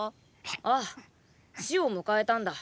ああ死を迎えたんだ。